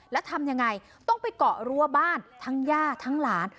แล้วทำยังไงต้องไปเกาะรั้วบ้านทั้งย่าทั้งหลาน